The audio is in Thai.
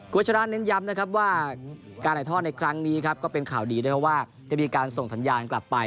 ชนะเน้นย้ำนะครับว่าการถ่ายทอดในครั้งนี้ครับก็เป็นข่าวดีด้วยเพราะว่าจะมีการส่งสัญญาณกลับไป